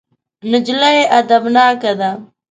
نجلۍ ادبناکه ده.